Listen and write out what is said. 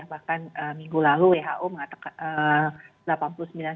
bahkan minggu lalu who mengatakan